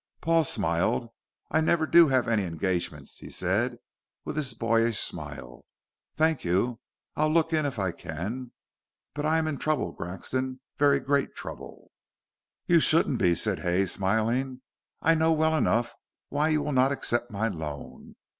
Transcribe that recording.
Paul smiled. "I never do have any engagements," he said with his boyish smile, "thank you. I'll look in if I can. But I am in trouble, Grexon very great trouble." "You shouldn't be," said Hay, smiling. "I know well enough why you will not accept my loan.